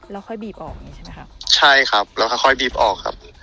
แล้วค่อยบีบออกใช่ไหมครับใช่ครับแล้วค่อยบีบออกครับ